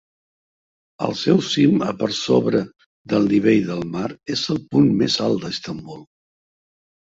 El seu cim a per sobre del nivell del mar és el punt més alt d'Istanbul.